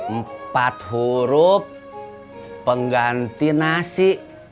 empat huruf pengganti nasi